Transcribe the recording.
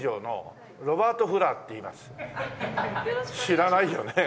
知らないよね。